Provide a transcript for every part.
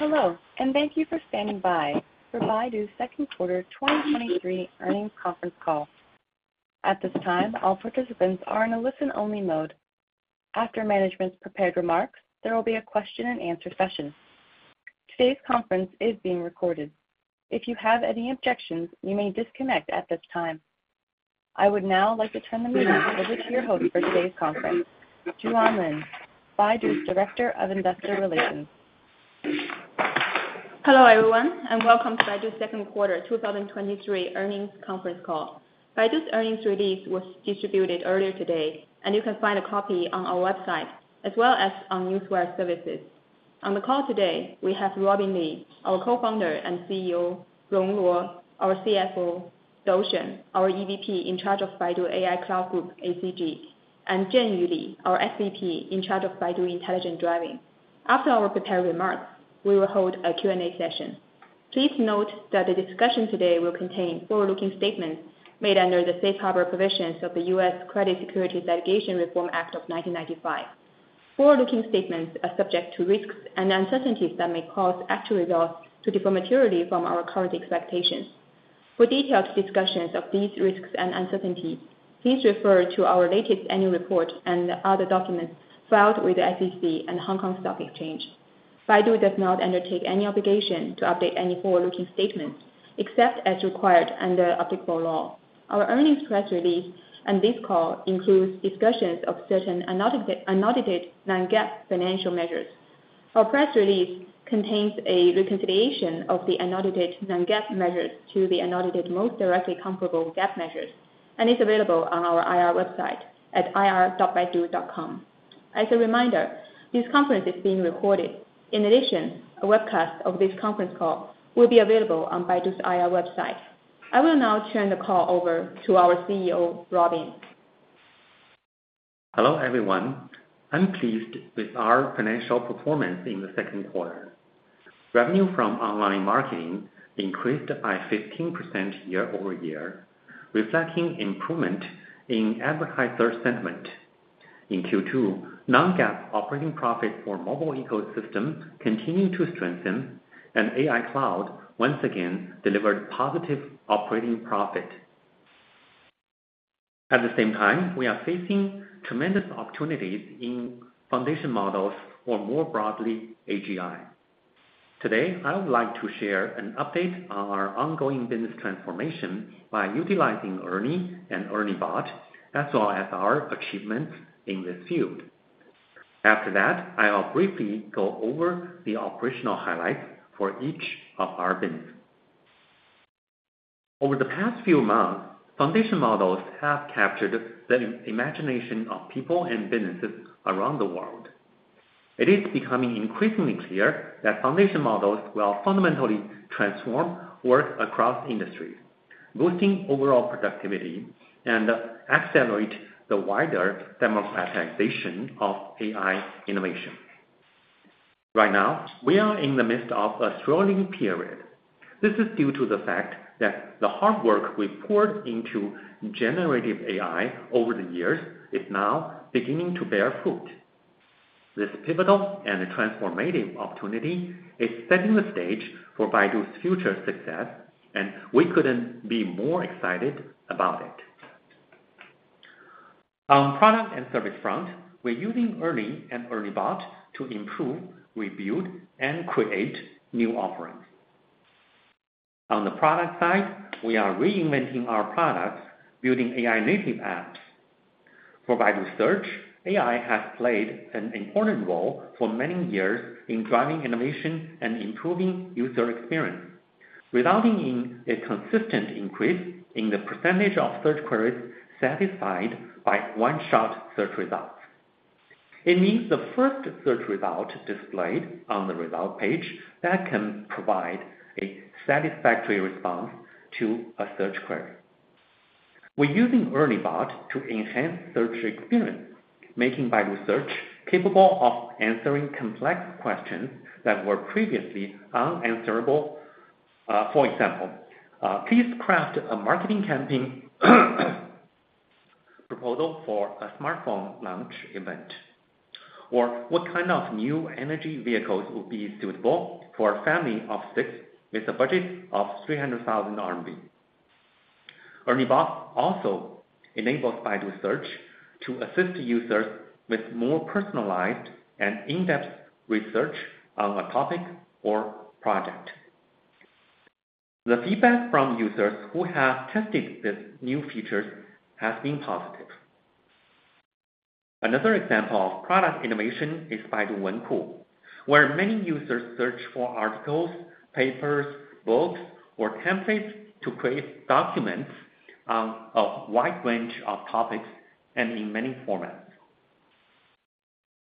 Hello, thank you for standing by for Baidu's second quarter 2023 earnings conference call. At this time, all participants are in a listen-only mode. After management's prepared remarks, there will be a question and answer session. Today's conference is being recorded. If you have any objections, you may disconnect at this time. I would now like to turn the meeting over to your host for today's conference, Juan Lin, Baidu's Director of Investor Relations. Hello, everyone, and welcome to Baidu's second quarter 2023 earnings conference call. Baidu's earnings release was distributed earlier today, and you can find a copy on our website as well as on news wire services. On the call today, we have Robin Li, our Co-founder and CEO, Rong Luo, our CFO, Dou Shen, our EVP in charge of Baidu AI Cloud Group, ACG, and Zhenyu Li, our SVP in charge of Baidu Intelligent Driving. After our prepared remarks, we will hold a Q&A session. Please note that the discussion today will contain forward-looking statements made under the Safe Harbor Provisions of the U.S. Private Securities Litigation Reform Act of 1995. Forward-looking statements are subject to risks and uncertainties that may cause actual results to differ materially from our current expectations. For detailed discussions of these risks and uncertainties, please refer to our latest annual report and other documents filed with the SEC and Hong Kong Stock Exchange. Baidu does not undertake any obligation to update any forward-looking statements, except as required under applicable law. Our earnings press release and this call includes discussions of certain unaudited non-GAAP financial measures. Our press release contains a reconciliation of the unaudited non-GAAP measures to the unaudited most directly comparable GAAP measures, and is available on our IR website at ir.baidu.com. As a reminder, this conference is being recorded. In addition, a webcast of this conference call will be available on Baidu's IR website. I will now turn the call over to our CEO, Robin. Hello, everyone. I'm pleased with our financial performance in the second quarter. Revenue from online marketing increased by 15% year-over-year, reflecting improvement in advertiser sentiment. In Q2, non-GAAP operating profit for Mobile Ecosystem continued to strengthen, and AI Cloud once again delivered positive operating profit. At the same time, we are facing tremendous opportunities in foundation models or more broadly, AGI. Today, I would like to share an update on our ongoing business transformation by utilizing ERNIE and ERNIE Bot, as well as our achievements in this field. After that, I'll briefly go over the operational highlights for each of our business. Over the past few months, foundation models have captured the imagination of people and businesses around the world. It is becoming increasingly clear that foundation models will fundamentally transform work across industries, boosting overall productivity and accelerate the wider democratization of AI innovation. Right now, we are in the midst of a thrilling period. This is due to the fact that the hard work we poured into generative AI over the years is now beginning to bear fruit. This pivotal and transformative opportunity is setting the stage for Baidu's future success, and we couldn't be more excited about it. On product and service front, we're using ERNIE and ERNIE Bot to improve, rebuild, and create new offerings. On the product side, we are reinventing our products, building AI native apps. For Baidu Search, AI has played an important role for many years in driving innovation and improving user experience, resulting in a consistent increase in the percentage of search queries satisfied by one-shot search results. It means the first search result displayed on the result page that can provide a satisfactory response to a search query. We're using ERNIE Bot to enhance search experience, making Baidu Search capable of answering complex questions that were previously unanswerable. For example, please craft a marketing campaign, proposal for a smartphone launch event, or what kind of new energy vehicles would be suitable for a family of six with a budget of 300,000 RMB? ERNIE Bot also enables Baidu Search to assist users with more personalized and in-depth research on a topic or project. The feedback from users who have tested these new features has been positive. Another example of product innovation is Baidu Wenku, where many users search for articles, papers, books, or templates to create documents on a wide range of topics and in many formats.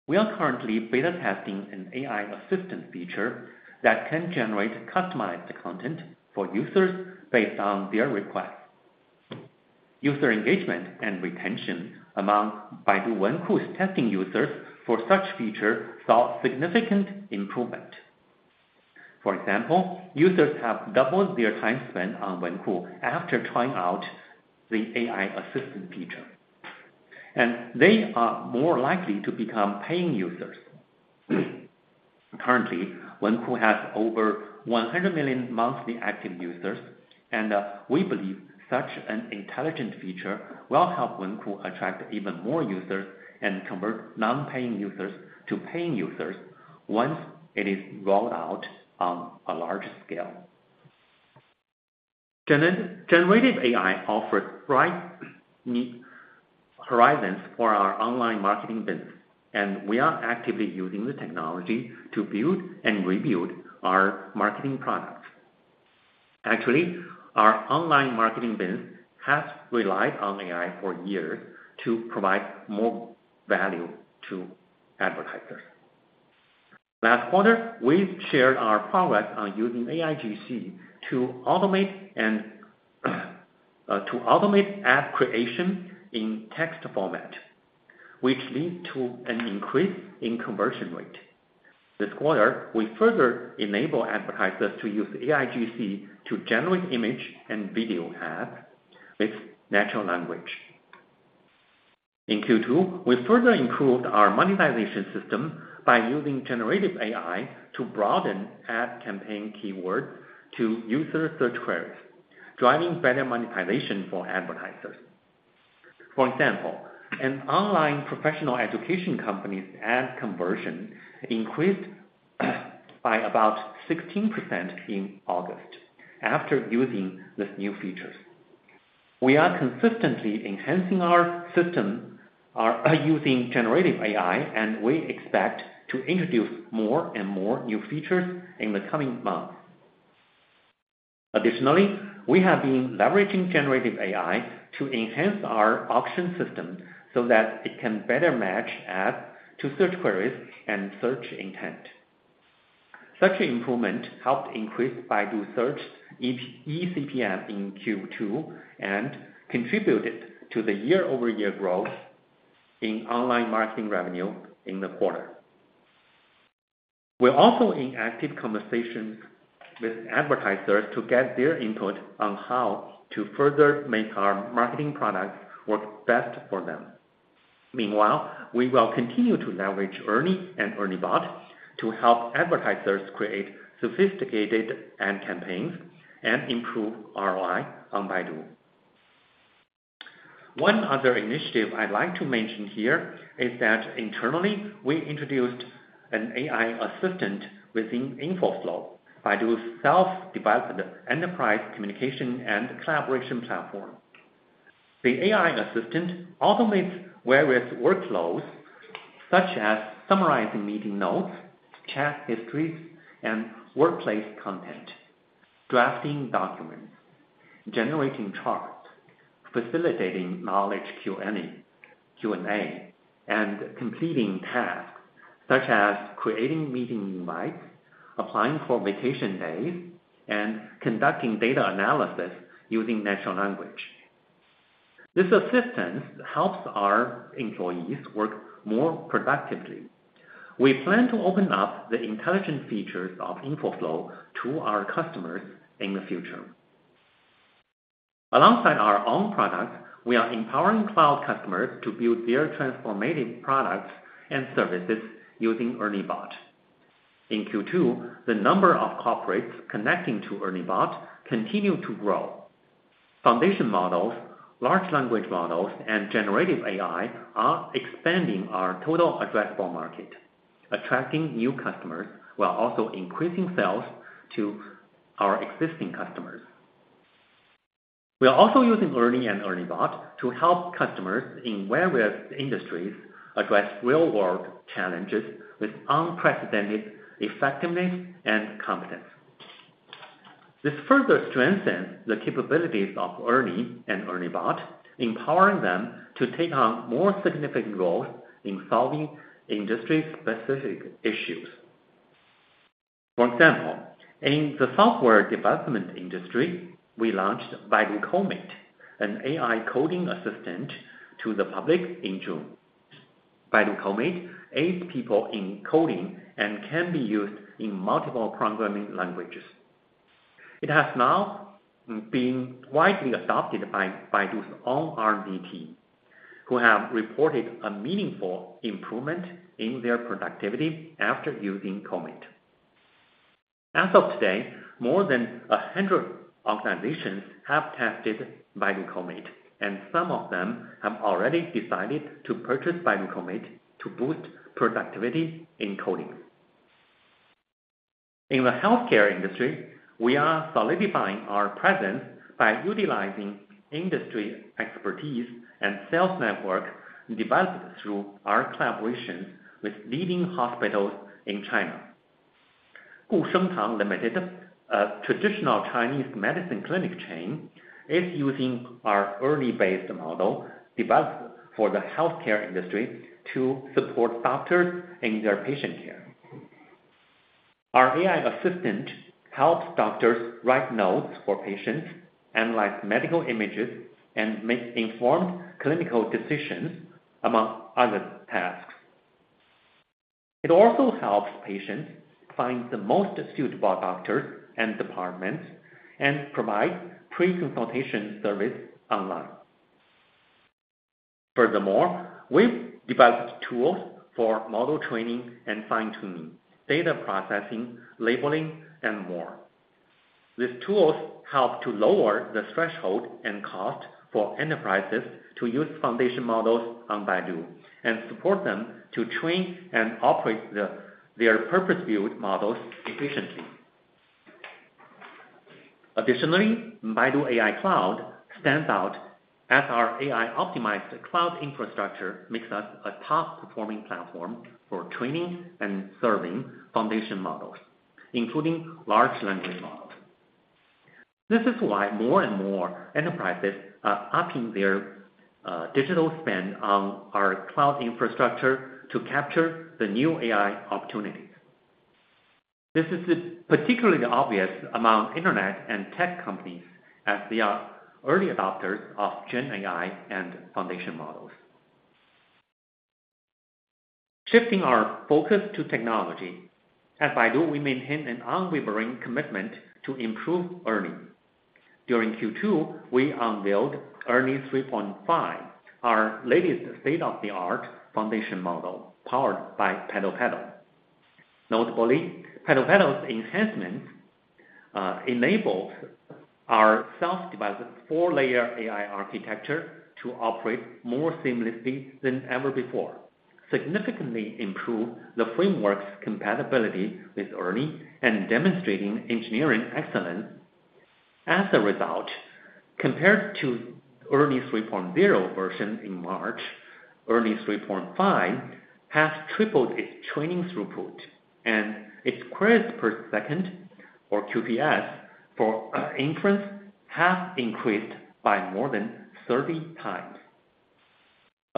We are currently beta testing an AI assistant feature that can generate customized content for users based on their requests. User engagement and retention among Baidu Wenku's testing users for such feature saw significant improvement. For example, users have doubled their time spent on Wenku after trying out the AI assistant feature.... They are more likely to become paying users. Currently, Wenku has over 100 million monthly active users, and we believe such an intelligent feature will help Wenku attract even more users and convert non-paying users to paying users once it is rolled out on a large scale. Generative AI offers bright horizons for our online marketing business, and we are actively using the technology to build and rebuild our marketing products. Actually, our online marketing business has relied on AI for years to provide more value to advertisers. Last quarter, we've shared our progress on using AIGC to automate and to automate ad creation in text format, which lead to an increase in conversion rate. This quarter, we further enable advertisers to use AIGC to generate image and video ads with natural language. In Q2, we further improved our monetization system by using generative AI to broaden ad campaign keyword to user search queries, driving better monetization for advertisers. For example, an online professional education company's ad conversion increased, by about 16% in August after using these new features. We are consistently enhancing our system are, using generative AI, and we expect to introduce more and more new features in the coming months. Additionally, we have been leveraging generative AI to enhance our auction system so that it can better match ads to search queries and search intent. Such improvement helped increase Baidu Search eCPM in Q2 and contributed to the year-over-year growth in online marketing revenue in the quarter. We're also in active conversations with advertisers to get their input on how to further make our marketing products work best for them. Meanwhile, we will continue to leverage ERNIE and ERNIE Bot to help advertisers create sophisticated ad campaigns and improve ROI on Baidu. One other initiative I'd like to mention here is that internally, we introduced an AI assistant within InfoFlow, Baidu's self-developed enterprise communication and collaboration platform. The AI assistant automates various workflows, such as summarizing meeting notes, chat histories and workplace content, drafting documents, generating charts, facilitating knowledge Q&A, and completing tasks such as creating meeting invites, applying for vacation days, and conducting data analysis using natural language. This assistance helps our employees work more productively. We plan to open up the intelligent features of InfoFlow to our customers in the future. Alongside our own products, we are empowering cloud customers to build their transformative products and services using ERNIE Bot. In Q2, the number of corporates connecting to ERNIE Bot continued to grow. Foundation models, large language models, and generative AI are expanding our total addressable market, attracting new customers while also increasing sales to our existing customers. We are also using ERNIE and ERNIE Bot to help customers in various industries address real-world challenges with unprecedented effectiveness and competence. This further strengthens the capabilities of ERNIE and ERNIE Bot, empowering them to take on more significant roles in solving industry-specific issues. For example, in the software development industry, we launched Baidu Comate, an AI coding assistant, to the public in June. Baidu Comate aids people in coding and can be used in multiple programming languages. It has now been widely adopted by Baidu's own R&D team, who have reported a meaningful improvement in their productivity after using Comate. As of today, more than 100 organizations have tested Baidu Comate, and some of them have already decided to purchase Baidu Comate to boost productivity in coding. In the healthcare industry, we are solidifying our presence by utilizing industry expertise and sales network developed through our collaborations with leading hospitals in China. Gushengtang Limited, a traditional Chinese medicine clinic chain, is using our ERNIE-based model developed for the healthcare industry to support doctors in their patient care. Our AI assistant helps doctors write notes for patients, analyze medical images, and make informed clinical decisions, among other tasks.... It also helps patients find the most suitable doctors and departments, and provide pre-consultation service online. Furthermore, we've developed tools for model training and fine-tuning, data processing, labeling, and more. These tools help to lower the threshold and cost for enterprises to use foundation models on Baidu, and support them to train and operate their purpose-built models efficiently. Additionally, Baidu AI Cloud stands out as our AI-optimized cloud infrastructure makes us a top-performing platform for training and serving foundation models, including large language models. This is why more and more enterprises are upping their digital spend on our cloud infrastructure to capture the new AI opportunities. This is particularly obvious among internet and tech companies, as they are early adopters of GenAI and foundation models. Shifting our focus to technology, at Baidu, we maintain an unwavering commitment to improve ERNIE. During Q2, we unveiled ERNIE 3.5, our latest state-of-the-art foundation model, powered by PaddlePaddle. Notably, PaddlePaddle's enhancements enabled our self-developed four-layer AI architecture to operate more seamlessly than ever before, significantly improve the framework's compatibility with ERNIE and demonstrating engineering excellence. As a result, compared to ERNIE 3.0 version in March, ERNIE 3.5 has tripled its training throughput, and its queries per second, or QPS, for inference has increased by more than 30 times.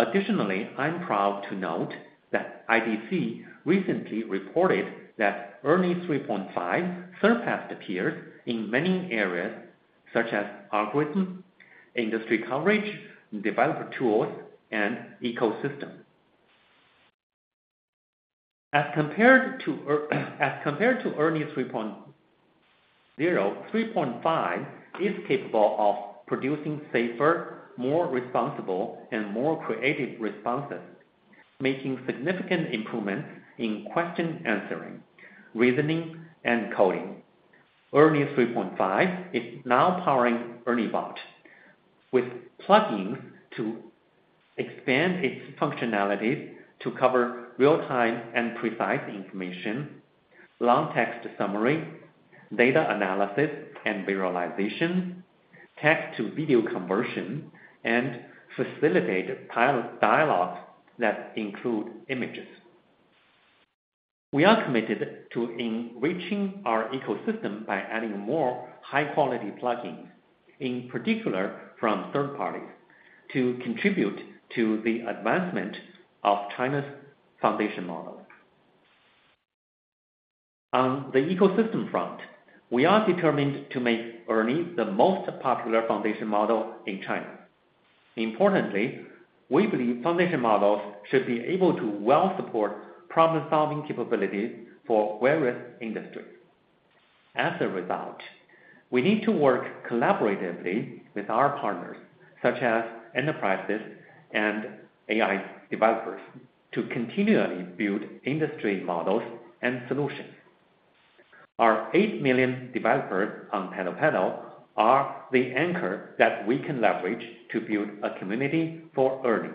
Additionally, I'm proud to note that IDC recently reported that ERNIE 3.5 surpassed peers in many areas such as algorithm, industry coverage, developer tools, and ecosystem. As compared to As compared to ERNIE 3.0, 3.5 is capable of producing safer, more responsible, and more creative responses, making significant improvements in question answering, reasoning, and coding. ERNIE 3.5 is now powering ERNIE Bot, with plug-ins to expand its functionalities to cover real-time and precise information, long text summary, data analysis and visualization, text-to-video conversion, and facilitate pilot dialogues that include images. We are committed to enriching our ecosystem by adding more high-quality plug-ins, in particular, from third parties, to contribute to the advancement of China's foundation models. On the ecosystem front, we are determined to make ERNIE the most popular foundation model in China. Importantly, we believe foundation models should be able to well support problem-solving capabilities for various industries. As a result, we need to work collaboratively with our partners, such as enterprises and AI developers, to continually build industry models and solutions. Our 8 million developers on PaddlePaddle are the anchor that we can leverage to build a community for ERNIE.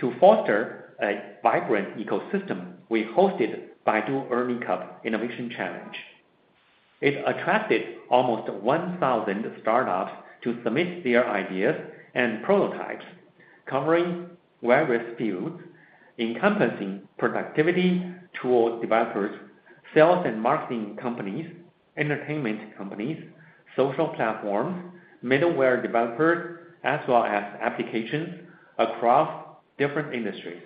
To foster a vibrant ecosystem, we hosted Baidu ERNIE Cup Innovation Challenge. It attracted almost 1,000 startups to submit their ideas and prototypes, covering various fields, encompassing productivity, tool developers, sales and marketing companies, entertainment companies, social platforms, middleware developers, as well as applications across different industries,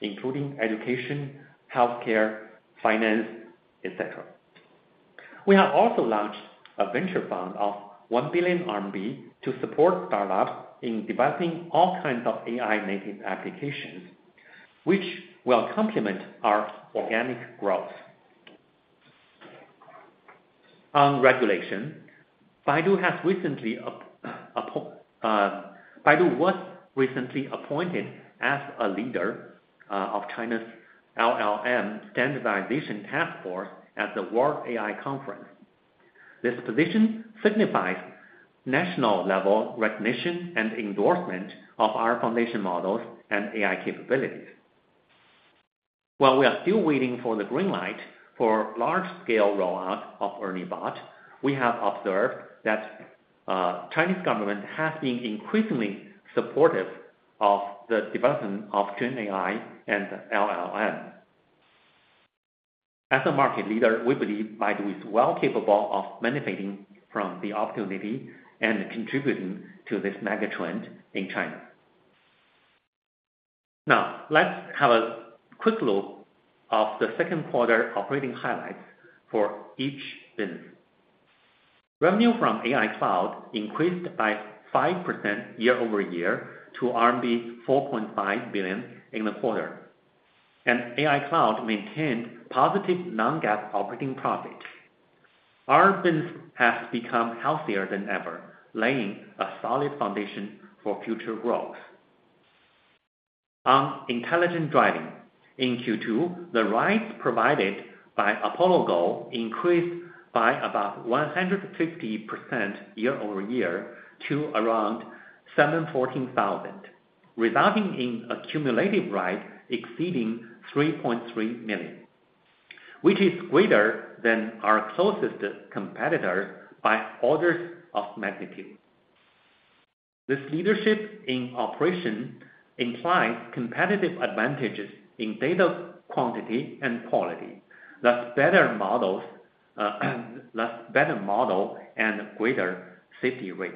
including education, healthcare, finance, etc. We have also launched a venture fund of 1 billion RMB to support startups in developing all kinds of AI-native applications, which will complement our organic growth. On regulation, Baidu was recently appointed as a leader of China's LLM Standardization Task Force at the World AI Conference. This position signifies national-level recognition and endorsement of our foundation models and AI capabilities. While we are still waiting for the green light for large-scale rollout of ERNIE Bot, we have observed that Chinese government has been increasingly supportive of the development of GenAI and LLM. As a market leader, we believe Baidu is well capable of benefiting from the opportunity and contributing to this mega trend in China. Now, let's have a quick look of the second quarter operating highlights for each business.... Revenue from AI Cloud increased by 5% year-over-year to RMB 4.5 billion in the quarter, and AI Cloud maintained positive non-GAAP operating profit. Our business has become healthier than ever, laying a solid foundation for future growth. On intelligent driving, in Q2, the rides provided by Apollo Go increased by about 150% year-over-year to around 714,000, resulting in a cumulative ride exceeding 3.3 million, which is greater than our closest competitor by orders of magnitude. This leadership in operation implies competitive advantages in data quantity and quality, thus better models, thus better model and greater safety rates.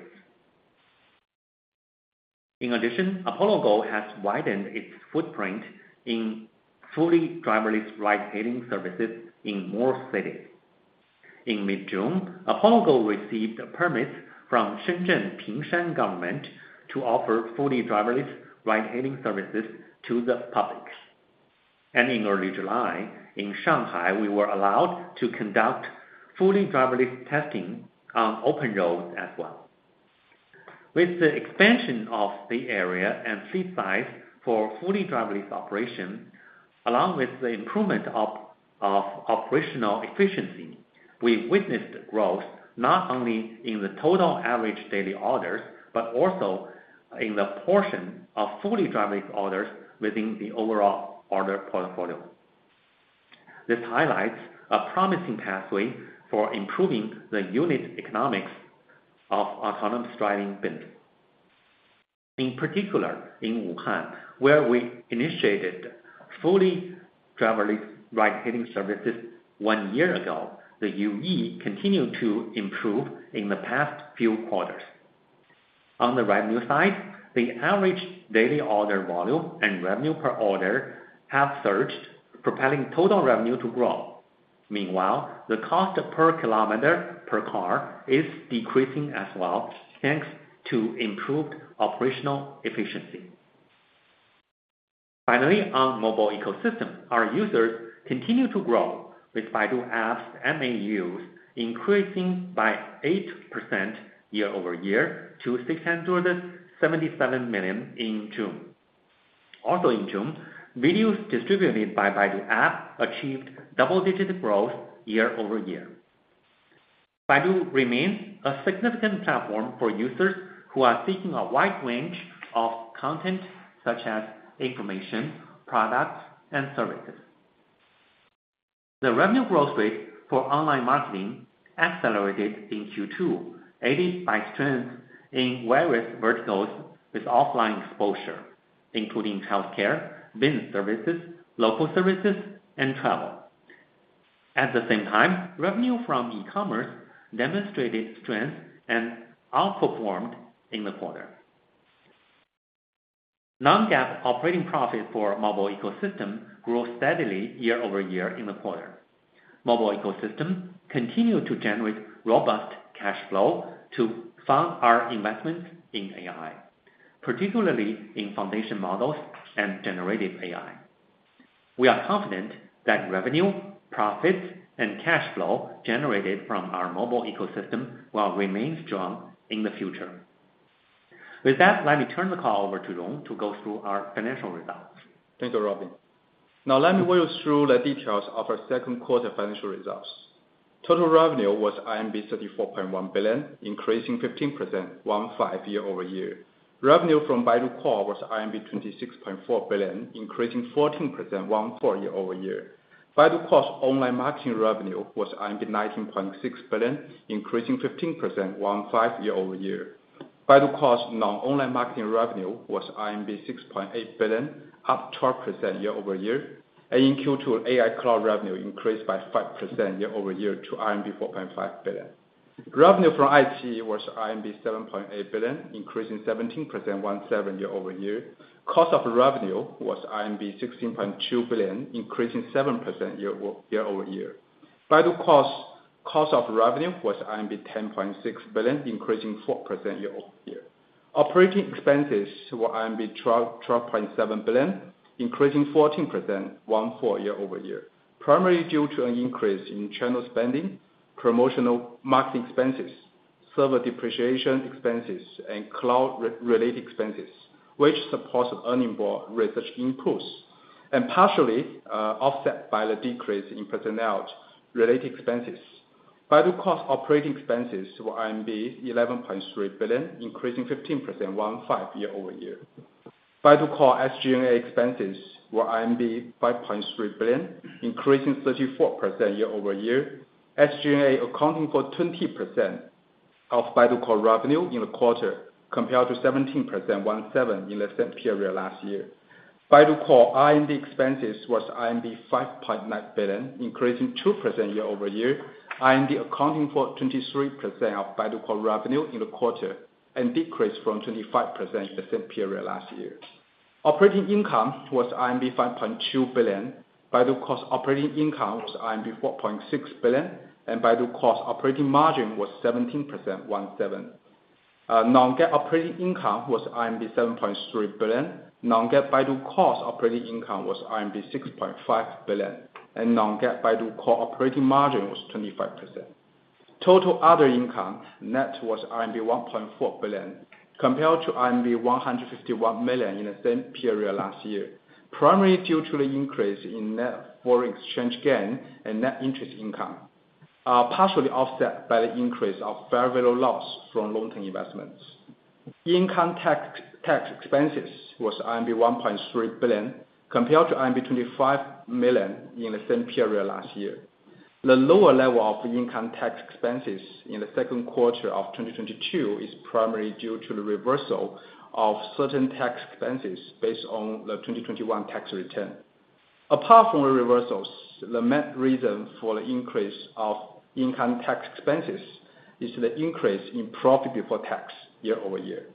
In addition, Apollo Go has widened its footprint in fully driverless ride-hailing services in more cities. In mid-June, Apollo Go received permits from Shenzhen Pingshan government to offer fully driverless ride-hailing services to the public. In early July, in Shanghai, we were allowed to conduct fully driverless testing on open roads as well. With the expansion of the area and fleet size for fully driverless operation, along with the improvement of operational efficiency, we've witnessed growth not only in the total average daily orders, but also in the portion of fully driverless orders within the overall order portfolio. This highlights a promising pathway for improving the unit economics of autonomous driving business. In particular, in Wuhan, where we initiated fully driverless ride-hailing services one year ago, the UE continued to improve in the past few quarters. On the revenue side, the average daily order volume and revenue per order have surged, propelling total revenue to grow. Meanwhile, the cost per kilometer per car is decreasing as well, thanks to improved operational efficiency. Finally, on mobile ecosystem, our users continue to grow, with Baidu App MAUs increasing by 8% year-over-year to 677 million in June. In June, videos distributed by Baidu App achieved double-digit growth year-over-year. Baidu remains a significant platform for users who are seeking a wide range of content such as information, products, and services. The revenue growth rate for online marketing accelerated in Q2, aided by strength in various verticals with offline exposure, including healthcare, business services, local services, and travel. At the same time, revenue from e-commerce demonstrated strength and outperformed in the quarter. non-GAAP operating profit for mobile ecosystem grew steadily year-over-year in the quarter. Mobile ecosystem continued to generate robust cash flow to fund our investment in AI, particularly in foundation models and generative AI. We are confident that revenue, profits, and cash flow generated from our mobile ecosystem will remain strong in the future. With that, let me turn the call over to Rong to go through our financial results. Thank you, Robin. Now let me walk you through the details of our second quarter financial results. Total revenue was 34.1 billion, increasing 15%, one five year-over-year. Revenue from Baidu Core was 26.4 billion, increasing 14%, one four year-over-year. Baidu Core's online marketing revenue was 19.6 billion, increasing 15%, one five year-over-year. Baidu Core's non-online marketing revenue was 6.8 billion, up 12% year-over-year, and in Q2, AI cloud revenue increased by 5% year-over-year to RMB 4.5 billion. Revenue from iQIYI was RMB 7.8 billion, increasing 17%, one seven year-over-year. Cost of revenue was RMB 16.2 billion, increasing 7% year-over-year. Baidu Core's cost of revenue was 10.6 billion, increasing 4% year-over-year. Operating expenses were 12.7 billion, increasing 14% year-over-year, primarily due to an increase in channel spending, promotional marketing expenses, server depreciation expenses, and cloud-related expenses, which supports earning more research inputs and partially offset by the decrease in personnel-related expenses. Baidu Core's operating expenses were 11.3 billion, increasing 15% year-over-year. Baidu Core SG&A expenses were 5.3 billion, increasing 34% year-over-year. SG&A accounting for 20% of Baidu Core revenue in the quarter, compared to 17% in the same period last year. Baidu Core R&D expenses was 5.9 billion, increasing 2% year-over-year, R&D accounting for 23% of Baidu Core revenue in the quarter, and decreased from 25% the same period last year. Operating income was RMB 5.2 billion. Baidu cost operating income was RMB 4.6 billion. Baidu cost operating margin was 17%. non-GAAP operating income was 7.3 billion. Non-GAAP Baidu cost operating income was 6.5 billion. Non-GAAP Baidu Core operating margin was 25%. Total other income net was RMB 1.4 billion, compared to RMB 151 million in the same period last year. Primarily due to the increase in net foreign exchange gain and net interest income, partially offset by the increase of fair value loss from loan investments. Income tax expenses was 1.3 billion, compared to 25 million in the same period last year. The lower level of income tax expenses in the second quarter of 2022 is primarily due to the reversal of certain tax expenses based on the 2021 tax return. Apart from the reversals, the main reason for the increase of income tax expenses is the increase in profit before tax year-over-year.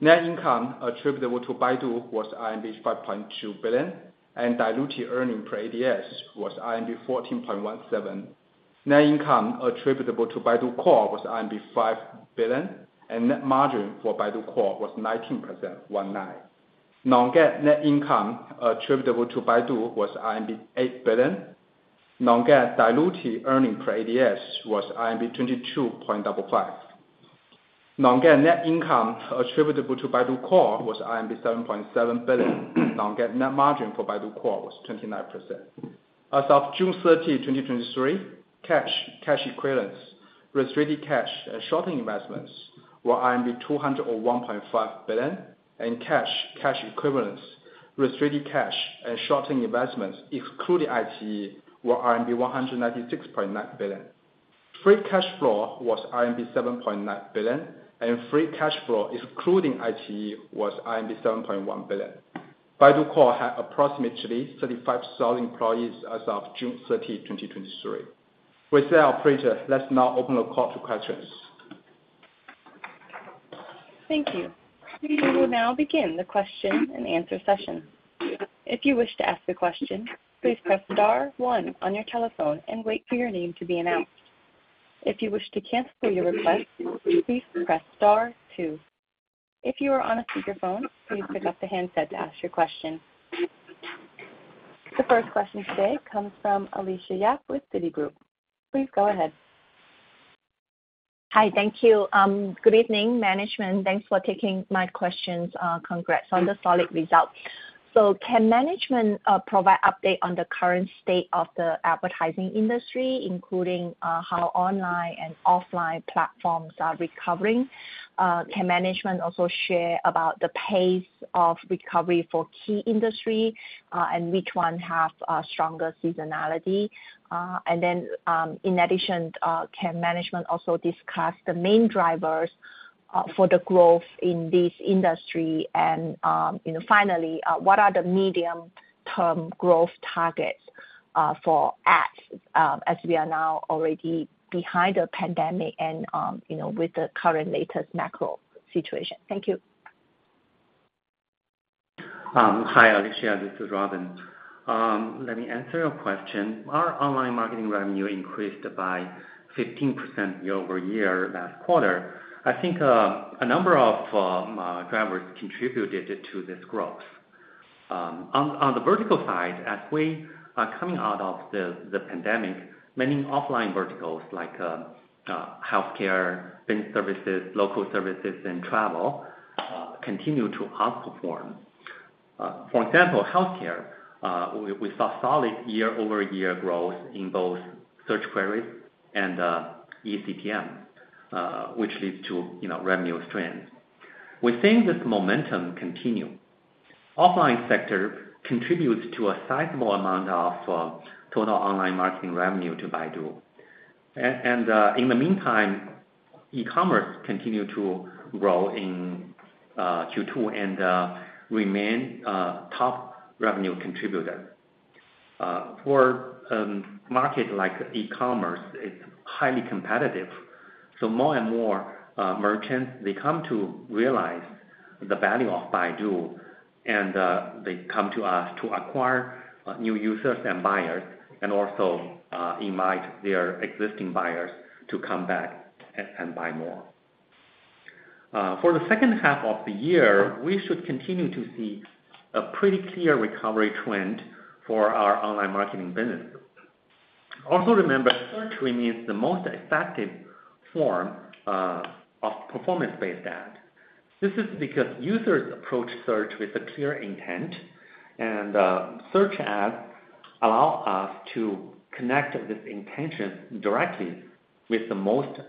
Net income attributable to Baidu was 5.2 billion, and diluted earnings per ADS was 14.17. Net income attributable to Baidu Core was 5 billion, and net margin for Baidu Core was 19%. Non-GAAP net income attributable to Baidu was RMB 8 billion. Non-GAAP diluted earnings per ADS was RMB 22.55. Non-GAAP net income attributable to Baidu Core was RMB 7.7 billion. Non-GAAP net margin for Baidu Core was 29%. As of June 30, 2023, cash, cash equivalents, restricted cash and short-term investments were 201.5 billion, and cash, cash equivalents, restricted cash and short-term investments, excluding iQIYI, were RMB 196.9 billion. Free cash flow was RMB 7.9 billion, and free cash flow, excluding iQIYI, was RMB 7.1 billion. Baidu Core had approximately 35,000 employees as of June 30, 2023. With that, operator, let's now open the call to questions. Thank you. We will now begin the question and answer session. If you wish to ask a question, please press star one on your telephone and wait for your name to be announced. If you wish to cancel your request, please press star two. If you are on a speakerphone, please pick up the handset to ask your question. The first question today comes from Alicia Yap with Citigroup. Please go ahead. Hi. Thank you. Good evening, management. Thanks for taking my questions. Congrats on the solid results. Can management provide update on the current state of the advertising industry, including how online and offline platforms are recovering? Can management also share about the pace of recovery for key industry and which one have a stronger seasonality? In addition, can management also discuss the main drivers for the growth in this industry? You know, finally, what are the medium-term growth targets for ads as we are now already behind the pandemic and, you know, with the current latest macro situation? Thank you. Hi, Alicia, this is Robin. Let me answer your question. Our online marketing revenue increased by 15% year-over-year last quarter. I think a number of drivers contributed to this growth. On the vertical side, as we are coming out of the pandemic, many offline verticals like healthcare, bank services, local services and travel continue to outperform. For example, healthcare, we saw solid year-over-year growth in both search queries and eCPM, which leads to, you know, revenue strength. We're seeing this momentum continue. Offline sector contributes to a sizable amount of total online marketing revenue to Baidu. In the meantime, e-commerce continue to grow in Q2 and remain top revenue contributor. For market like e-commerce, it's highly competitive, so more and more merchants, they come to realize the value of Baidu, they come to us to acquire new users and buyers, and also invite their existing buyers to come back and buy more. For the second half of the year, we should continue to see a pretty clear recovery trend for our online marketing business. Also, remember, search remains the most effective form of performance-based ad. This is because users approach search with a clear intent, and search ads allow us to connect this intention directly with the most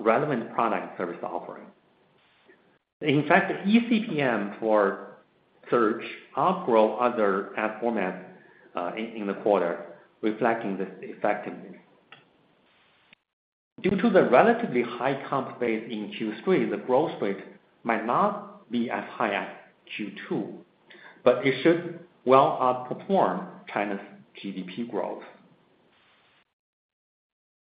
relevant product service offering. In fact, eCPM for search outgrow other ad formats in the quarter, reflecting this effectiveness. Due to the relatively high comp base in Q3, the growth rate might not be as high as Q2. It should well outperform China's GDP growth....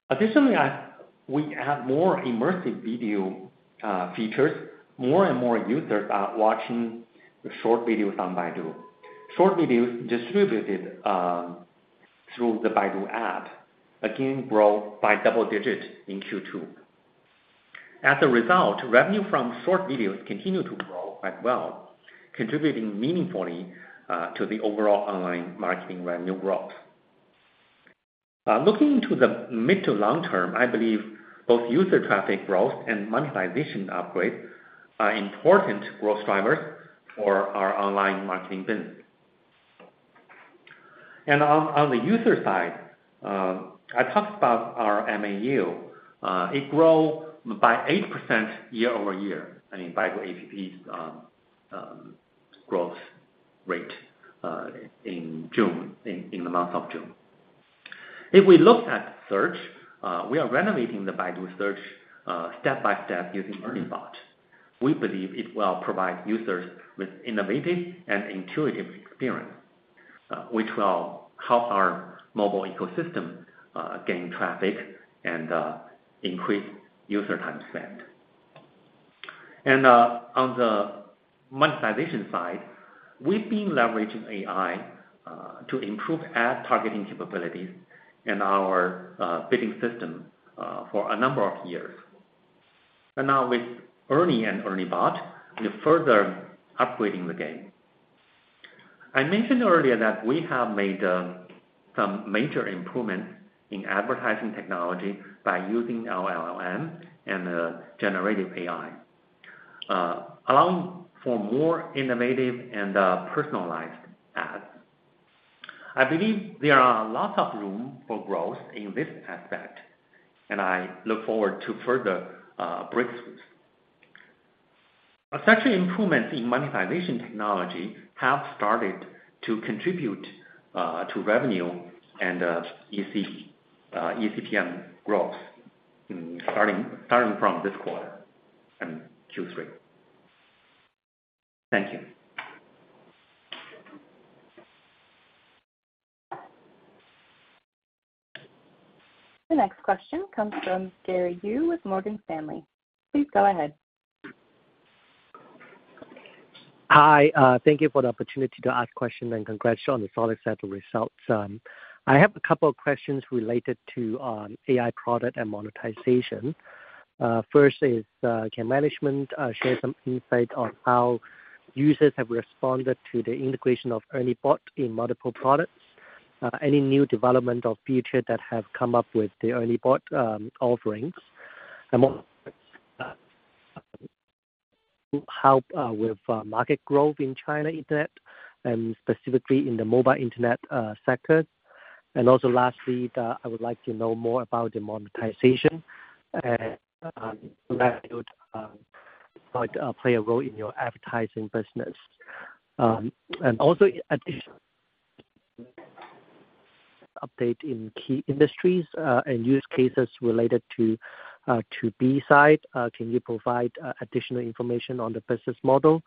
Additionally, I, we have more immersive video features. More and more users are watching short videos on Baidu. Short videos distributed through the Baidu App, again, grow by double-digit in Q2. As a result, revenue from short videos continue to grow as well, contributing meaningfully to the overall online marketing revenue growth. Looking to the mid to long term, I believe both user traffic growth and monetization upgrades are important growth drivers for our online marketing business. On the user side, I talked about our MAU. It grow by 8% year-over-year, I mean, Baidu App's growth rate in June, in the month of June. If we look at search, we are renovating the Baidu Search step by step using ERNIE Bot. We believe it will provide users with innovative and intuitive experience, which will help our mobile ecosystem, gain traffic and increase user time spent. On the monetization side, we've been leveraging AI to improve ad targeting capabilities in our bidding system, for a number of years. Now with ERNIE and ERNIE Bot, we're further upgrading the game. I mentioned earlier that we have made some major improvements in advertising technology by using our LLM and generative AI, allowing for more innovative and personalized ads. I believe there are lots of room for growth in this aspect, and I look forward to further breakthroughs. Such improvements in monetization technology have started to contribute to revenue and EC, eCPM growth, starting, starting from this quarter and Q3. Thank you. The next question comes from Gary Yu with Morgan Stanley. Please go ahead. Hi, thank you for the opportunity to ask questions, and congrats on the solid set of results. I have a couple of questions related to AI product and monetization. First is, can management share some insight on how users have responded to the integration of ERNIE Bot in multiple products? Any new development or feature that have come up with the ERNIE Bot offerings? More help with market growth in China internet, and specifically in the mobile internet sector. Also lastly, I would like to know more about the monetization and value might play a role in your advertising business. Also update in key industries, and use cases related to B side, can you provide additional information on the business model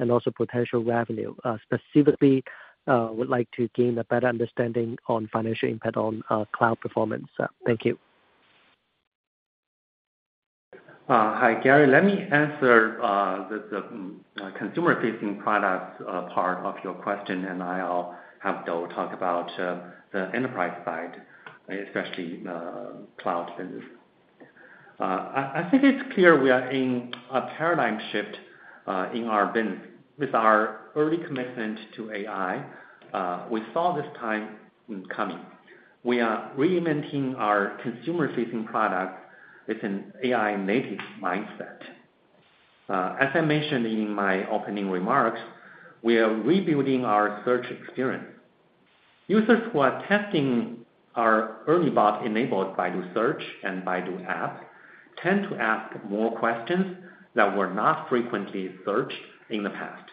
and also potential revenue? Specifically, would like to gain a better understanding on financial impact on cloud performance. Thank you. Hi, Gary. Let me answer the consumer-facing products part of your question, and I'll have Dou talk about the enterprise side, especially the cloud business. I think it's clear we are in a paradigm shift in our business. With our early commitment to AI, we saw this time coming. We are reinventing our consumer-facing products with an AI-native mindset. As I mentioned in my opening remarks, we are rebuilding our search experience. Users who are testing our ERNIE Bot-enabled Baidu Search and Baidu App tend to ask more questions that were not frequently searched in the past,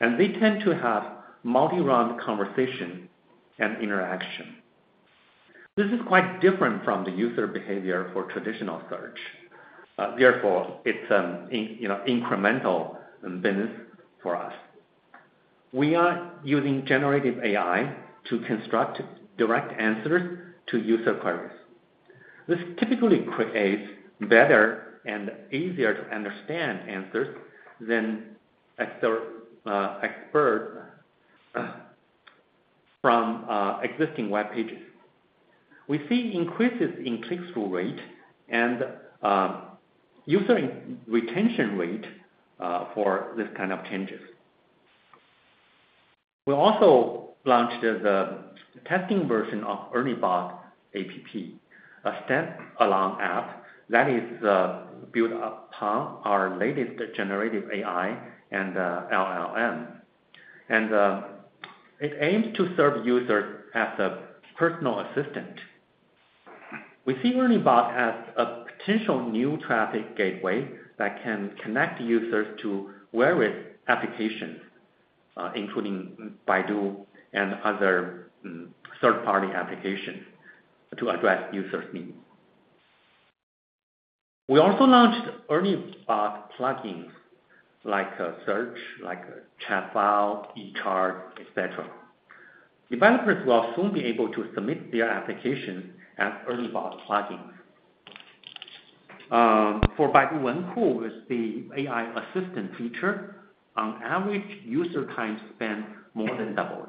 and they tend to have multi-round conversation and interaction. This is quite different from the user behavior for traditional search. Therefore, it's, you know, incremental business for us. We are using generative AI to construct direct answers to user queries. This typically creates better and easier-to-understand answers than expert from existing web pages. We see increases in click-through rate and user retention rate for this kind of changes. We also launched the testing version of ERNIE Bot app, a step-along app that is built upon our latest generative AI and LLM. It aims to serve users as a personal assistant. We see ERNIE Bot as a potential new traffic gateway that can connect users to various applications, including Baidu and other third-party applications to address users' needs. We also launched ERNIE Bot plugins, like search, like ChatFile, EChart, et cetera. Developers will soon be able to submit their application as ERNIE Bot plugins. For Baidu Wenku, with the AI assistant feature, on average, user time spent more than doubled,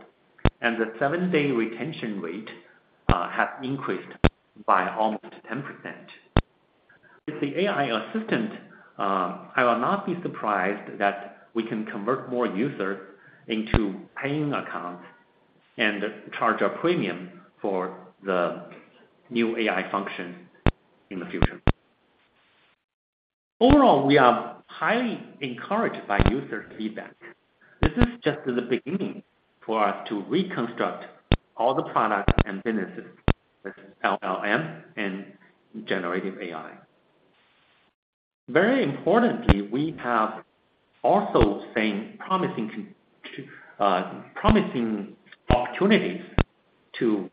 and the seven-day retention rate has increased by almost 10%. With the AI assistant, I will not be surprised that we can convert more users into paying accounts and charge a premium for the new AI function in the future. Overall, we are highly encouraged by user feedback. This is just the beginning for us to reconstruct all the products and businesses with LLM and generative AI. Very importantly, we have also seen promising opportunities to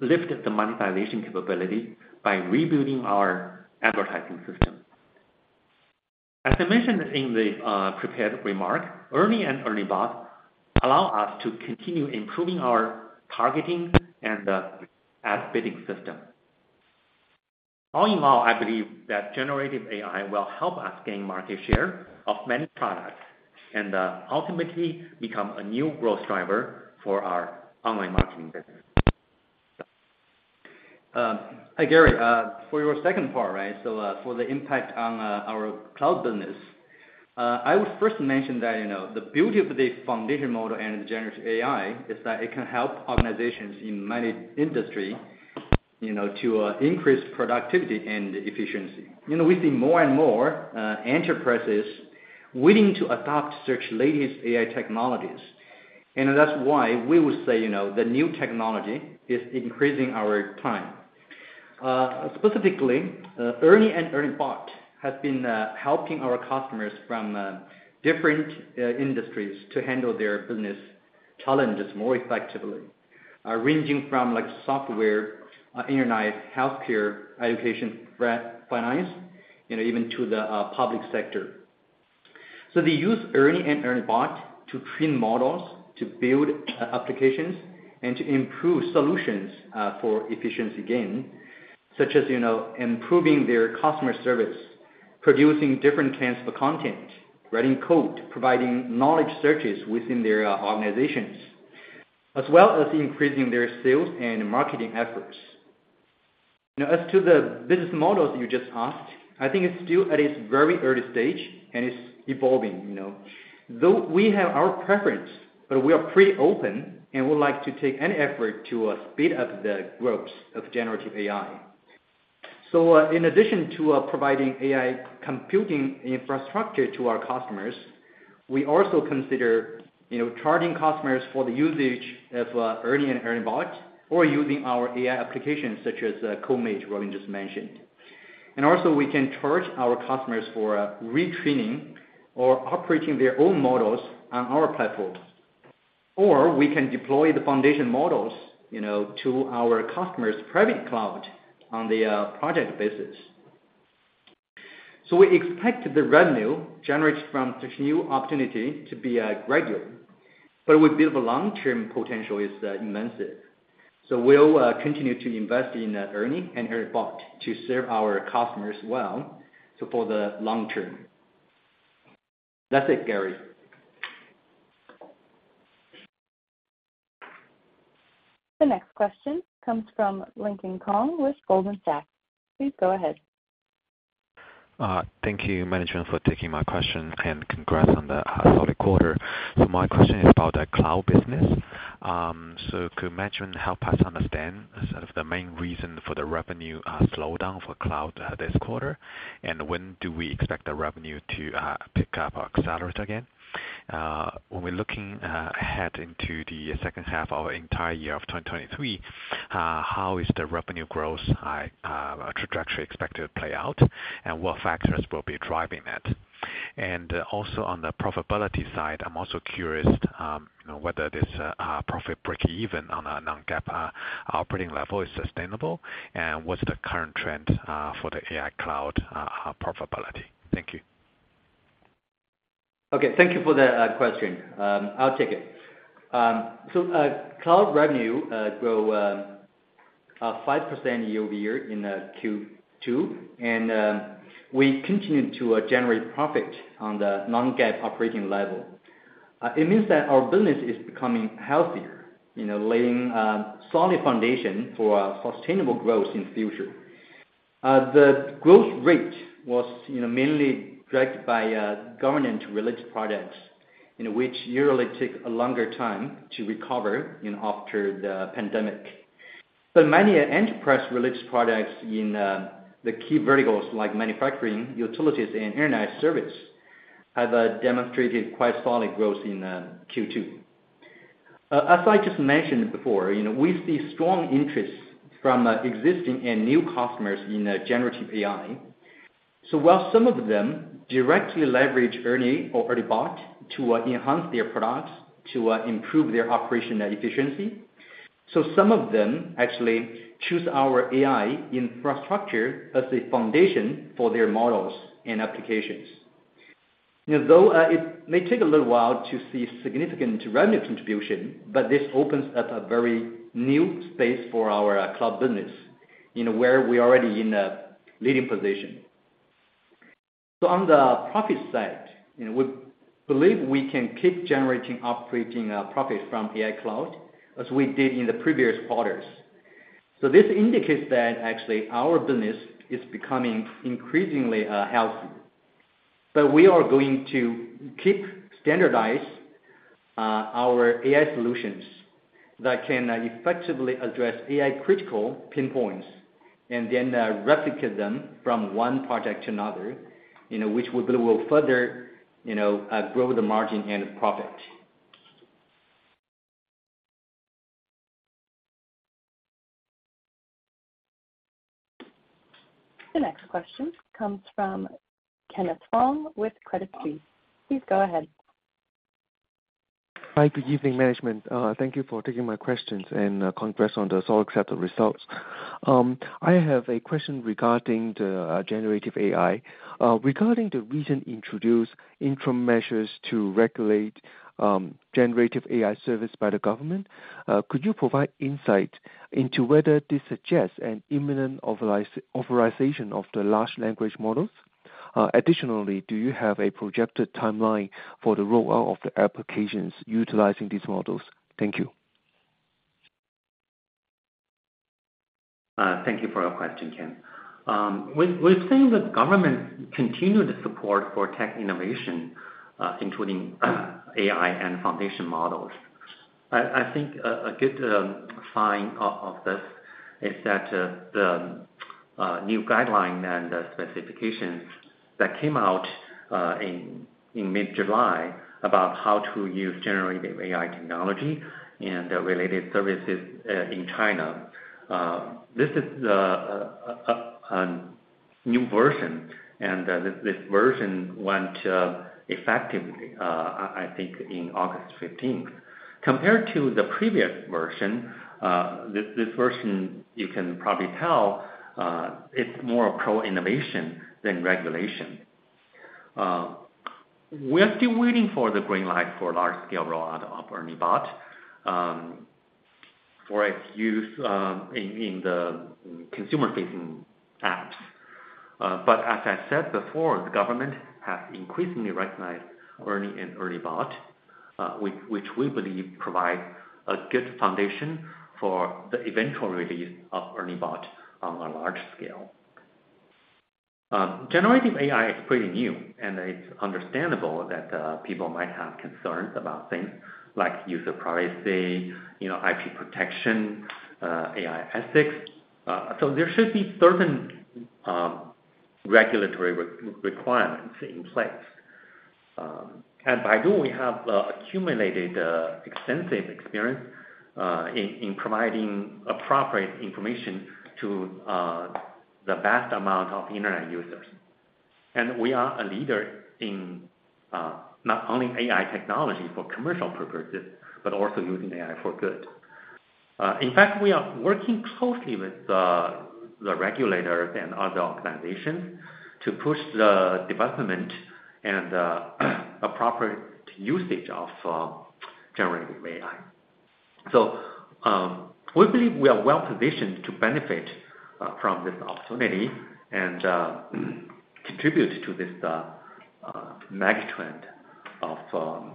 lift the monetization capability by rebuilding our advertising system. As I mentioned in the prepared remark, ERNIE and ERNIE Bot allow us to continue improving our targeting and the ad bidding system. All in all, I believe that generative AI will help us gain market share of many products and ultimately become a new growth driver for our online marketing business. Hi, Gary, for your second part, right? For the impact on our cloud business, I would first mention that, you know, the beauty of the foundation model and the generative AI is that it can help organizations in many industry, you know, to increase productivity and efficiency. You know, we see more and more enterprises willing to adopt such latest AI technologies, and that's why we would say, you know, the new technology is increasing our time. Specifically, ERNIE and ERNIE Bot has been helping our customers from different industries to handle their business challenges more effectively. Ranging from, like, software, internet, healthcare, education, finance, and even to the public sector. They use ERNIE and ERNIE Bot to train models, to build applications, and to improve solutions for efficiency gain, such as, you know, improving their customer service, producing different kinds of content, writing code, providing knowledge searches within their organizations, as well as increasing their sales and marketing efforts. Now, as to the business models you just asked, I think it's still at its very early stage and it's evolving, you know. Though we have our preference, but we are pretty open and would like to take any effort to speed up the growth of generative AI. In addition to providing AI computing infrastructure to our customers, we also consider, you know, charging customers for the usage of ERNIE and ERNIE Bot, or using our AI applications such as Comate, Robin just mentioned. Also, we can charge our customers for retraining or operating their own models on our platform. We can deploy the foundation models, you know, to our customer's private cloud on the project basis. We expect the revenue generated from this new opportunity to be regular, but we believe the long-term potential is immense. We'll continue to invest in ERNIE and ERNIE Bot to serve our customers well, so for the long term. That's it, Gary. The next question comes from Lincoln Kong with Goldman Sachs. Please go ahead. Thank you, management, for taking my question, congrats on the solid quarter. My question is about the cloud business. Could management help us understand sort of the main reason for the revenue slowdown for cloud this quarter? When do we expect the revenue to pick up or accelerate again? When we're looking ahead into the second half of entire year of 2023, how is the revenue growth trajectory expected to play out, and what factors will be driving that? Also on the profitability side, I'm also curious, you know, whether this profit break even on a non-GAAP operating level is sustainable, and what's the current trend for the AI Cloud profitability? Thank you. Okay, thank you for the question. I'll take it. So, cloud revenue grow 5% year-over-year in Q2, and we continue to generate profit on the non-GAAP operating level. It means that our business is becoming healthier, you know, laying a solid foundation for a sustainable growth in future. The growth rate was, you know, mainly dragged by government-related products, in which usually take a longer time to recover, you know, after the pandemic. Many enterprise-related products in the key verticals like manufacturing, utilities, and internet service, have demonstrated quite solid growth in Q2. As I just mentioned before, you know, we see strong interest from existing and new customers in generative AI. While some of them directly leverage Ernie or ERNIE Bot to enhance their products, to improve their operational efficiency, so some of them actually choose our AI infrastructure as a foundation for their models and applications.... You know, though, it may take a little while to see significant revenue contribution, but this opens up a very new space for our cloud business, you know, where we're already in a leading position. On the profit side, you know, we believe we can keep generating operating profit from AI Cloud, as we did in the previous quarters. This indicates that actually our business is becoming increasingly healthy. We are going to keep standardize our AI solutions that can effectively address AI critical pain points, and then replicate them from one project to another, you know, which will, will further, you know, grow the margin and profit. The next question comes from Kenneth Wong with Credit Suisse. Please go ahead. Hi, good evening, management. Thank you for taking my questions, and congrats on the solid set of results. I have a question regarding the generative AI. Regarding the recent introduced interim measures to regulate generative AI service by the government, could you provide insight into whether this suggests an imminent authoriz- authorization of the large language models? Additionally, do you have a projected timeline for the rollout of the applications utilizing these models? Thank you. Thank you for your question, Ken. We've seen the government continued support for tech innovation, including AI and foundation models. I think a good sign of this is that the new guideline and the specifications that came out in mid-July about how to use generative AI technology and related services in China. This is the new version, and this version went effectively, I think in August 15th. Compared to the previous version, this version, you can probably tell, it's more pro-innovation than regulation. We're still waiting for the green light for large scale rollout of ERNIE Bot for its use in the consumer-facing apps. As I said before, the government has increasingly recognized ERNIE and ERNIE Bot, which, which we believe provide a good foundation for the eventual release of ERNIE Bot on a large scale. Generative AI is pretty new, and it's understandable that people might have concerns about things like user privacy, you know, IP protection, AI ethics. So there should be certain regulatory requirements in place. At Baidu, we have accumulated extensive experience in providing appropriate information to the vast amount of internet users. We are a leader in not only AI technology for commercial purposes, but also using AI for good. In fact, we are working closely with the regulators and other organizations to push the development and appropriate usage of generative AI. We believe we are well positioned to benefit from this opportunity and contribute to this mega trend of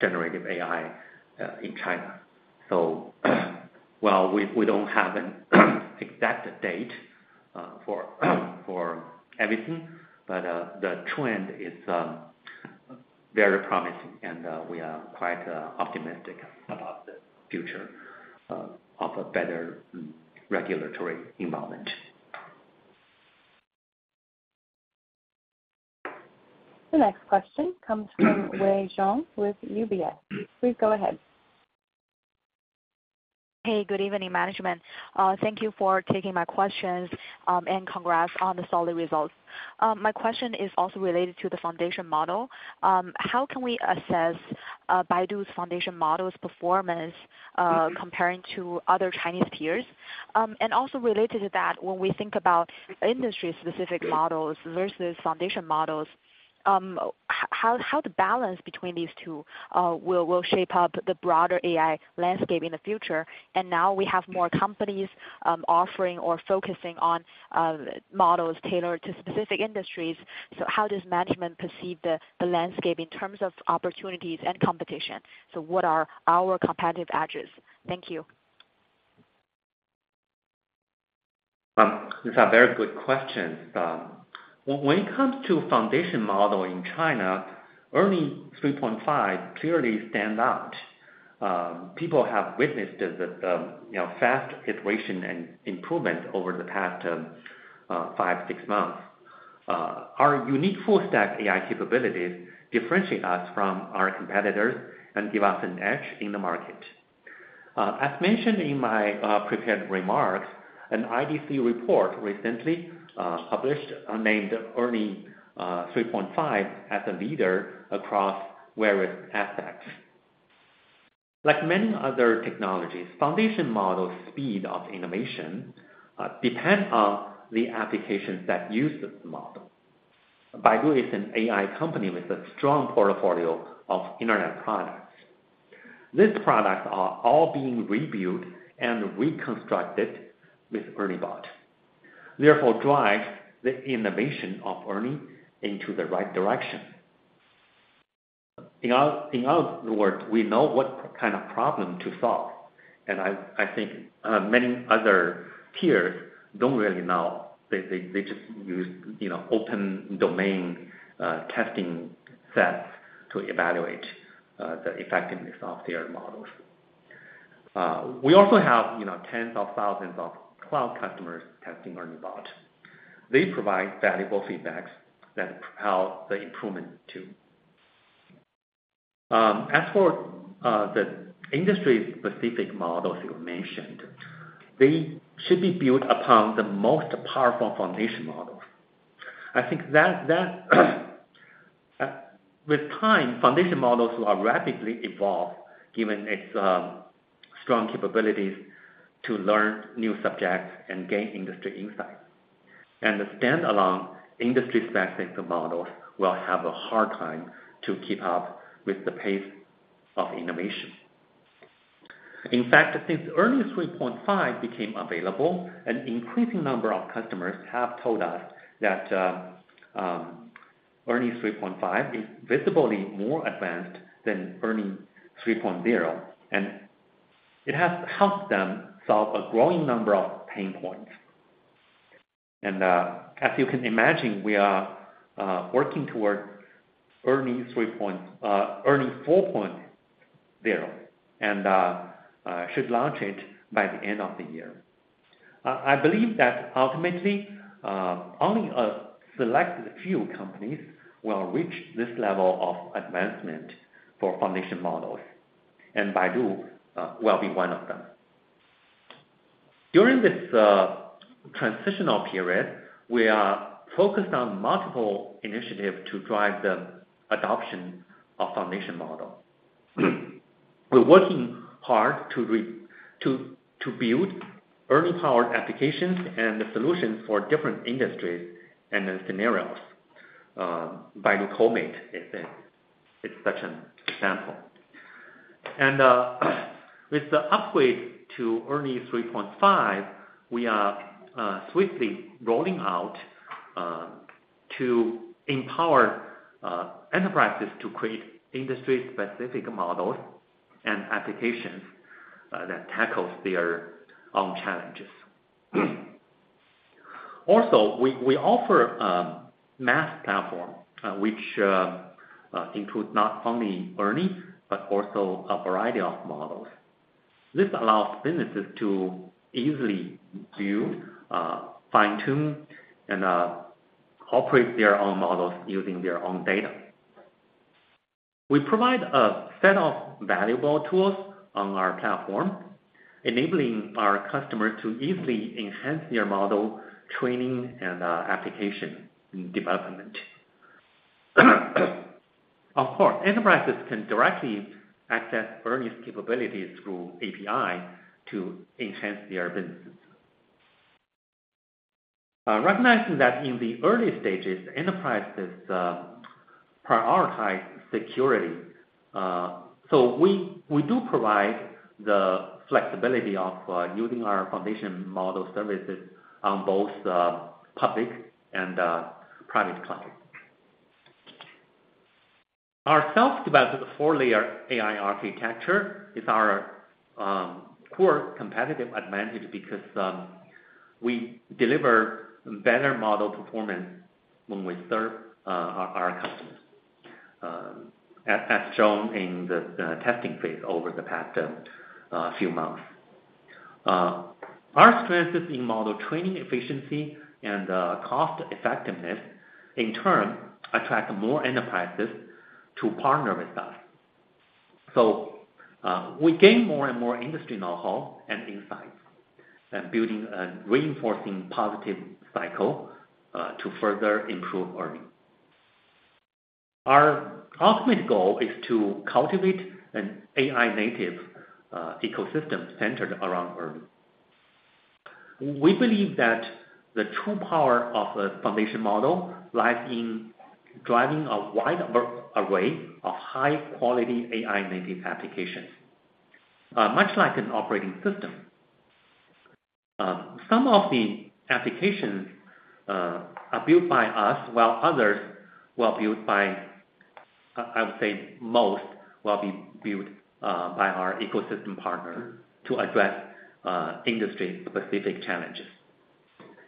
generative AI in China. While we, we don't have an exact date for everything, but the trend is very promising, and we are quite optimistic about the future of a better regulatory environment. The next question comes from Wei Zhang with UBS. Please go ahead. Hey, good evening, management. Thank you for taking my questions, and congrats on the solid results. My question is also related to the foundation model. How can we assess Baidu's foundation model's performance comparing to other Chinese peers? Also related to that, when we think about industry-specific models versus foundation models, how, how the balance between these two will, will shape up the broader AI landscape in the future? Now we have more companies offering or focusing on models tailored to specific industries. How does management perceive the, the landscape in terms of opportunities and competition? What are our competitive edges? Thank you. These are very good questions. When it comes to foundation model in China, ERNIE 3.5 clearly stands out. People have witnessed the, you know, fast iteration and improvement over the past five, six months. Our unique full stack AI capabilities differentiate us from our competitors and give us an edge in the market. As mentioned in my prepared remarks, an IDC report recently published named ERNIE 3.5 as a leader across various aspects. Like many other technologies, foundation model speed of innovation depend on the applications that use this model. Baidu is an AI company with a strong portfolio of internet products. These products are all being rebuilt and reconstructed with ERNIE Bot. Therefore, drives the innovation of ERNIE into the right direction. In our, in other words, we know what kind of problem to solve, and I, I think, many other peers don't really know. They, they, they just use, you know, open domain, testing sets to evaluate the effectiveness of their models. We also have, you know, tens of thousands of cloud customers testing ERNIE Bot. They provide valuable feedbacks that help the improvement too. As for the industry-specific models you mentioned, they should be built upon the most powerful foundation models. I think that, that, with time, foundation models will rapidly evolve, given its strong capabilities to learn new subjects and gain industry insight. The standalone industry-specific models will have a hard time to keep up with the pace of innovation. In fact, since ERNIE 3.5 became available, an increasing number of customers have told us that ERNIE 3.5 is visibly more advanced than ERNIE 3.0, and it has helped them solve a growing number of pain points. As you can imagine, we are working toward ERNIE 4.0, and should launch it by the end of the year. I believe that ultimately, only a selected few companies will reach this level of advancement for foundation models, and Baidu will be one of them. During this transitional period, we are focused on multiple initiatives to drive the adoption of foundation model. We're working hard to build ERNIE-powered applications and the solutions for different industries and the scenarios. Baidu Comate is, it's such an example. With the upgrade to ERNIE 3.5, we are swiftly rolling out to empower enterprises to create industry-specific models and applications that tackles their own challenges. Also, we offer MaaS platform, which includes not only ERNIE, but also a variety of models. This allows businesses to easily build, fine-tune, and operate their own models using their own data. We provide a set of valuable tools on our platform, enabling our customers to easily enhance their model training and application and development. Of course, enterprises can directly access ERNIE's capabilities through API to enhance their businesses. Recognizing that in the early stages, enterprises prioritize security, so we do provide the flexibility of using our foundation model services on both the public and private cloud. Our self-developed four-layer AI architecture is our core competitive advantage because we deliver better model performance when we serve our customers, as shown in the testing phase over the past few months. Our strengths in model training, efficiency, and cost effectiveness, in turn, attract more enterprises to partner with us. We gain more and more industry know-how and insights, and building a reinforcing positive cycle to further improve ERNIE. Our ultimate goal is to cultivate an AI-native ecosystem centered around ERNIE. We believe that the true power of a foundation model lies in driving a wide array of high-quality AI-native applications, much like an operating system. Some of the applications are built by us, while others were built by, I would say most will be built by our ecosystem partner to address industry-specific challenges.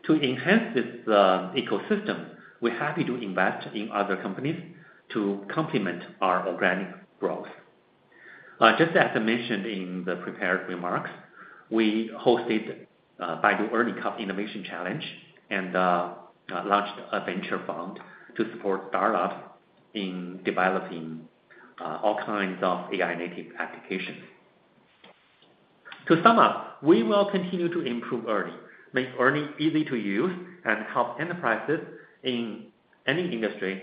To enhance this ecosystem, we're happy to invest in other companies to complement our organic growth. Just as I mentioned in the prepared remarks, we hosted Baidu ERNIE Cup Innovation Challenge, and launched a venture fund to support startups in developing all kinds of AI-native applications. To sum up, we will continue to improve ERNIE, make ERNIE easy to use, and help enterprises in any industry